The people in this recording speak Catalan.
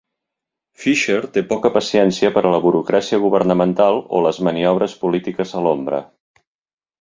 Fisher té poca paciència per a la burocràcia governamental o les maniobres polítiques a l'ombra.